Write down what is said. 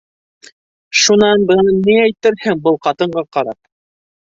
Шунан бына ни әйтерһең был ҡатынға ҡарап?